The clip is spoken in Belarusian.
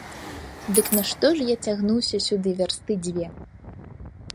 Дык нашто ж я цягнуўся сюды вярсты дзве?